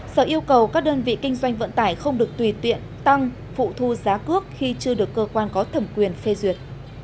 sở yêu cầu các đơn vị kinh doanh vận tải không được tùy tiện tăng phụ thu giá cước khi chưa được cơ quan có thẩm quyền phê duyệt